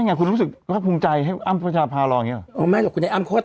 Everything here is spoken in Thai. อ้าวคุณให้อ้ำไปรอทำไมแล้วไม่เคยคิดว่าจะ